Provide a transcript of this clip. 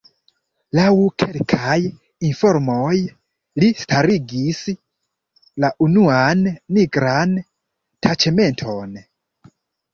Laŭ kelkaj informoj, li starigis la unuan nigran taĉmenton.